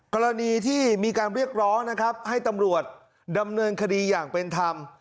กรณีที่มีการเรียกร้องนะครับให้ตำรวจดำเนินคดีอย่างเป็นธรรม